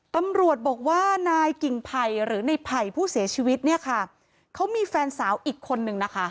ตำรวจบอกว่านายกิ่งไผ่หรือในไผ่ผู้เสียชีวิตเนี่ยค่ะเขามีแฟนสาวอีกคนนึงนะคะ